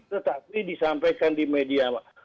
tetapi disampaikan di media